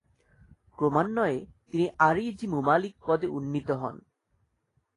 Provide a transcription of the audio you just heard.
ক্রমান্বয়ে তিনি আরিজ-ই-মুমালিক পদে উন্নীত হন।